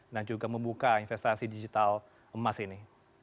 dan juga membuka investasi digital emas ini